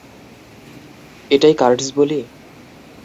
এটাই কার্সড বুলি?